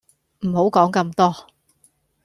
唔好講咁多